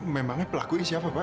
memangnya pelakunya siapa pak